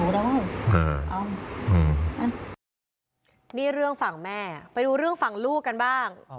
เรื่องฝั่งแม่ไปดูเรื่องฝั่งลูกน่ะ